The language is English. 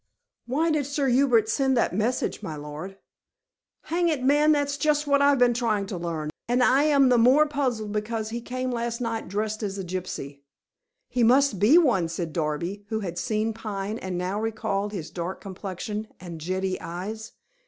"Why did Sir Hubert send that message, my lord?" "Hang it, man, that's just what I am trying to learn, and I am the more puzzled because he came last night dressed as a gypsy." "He must be one," said Darby, who had seen Pine and now recalled his dark complexion and jetty eyes.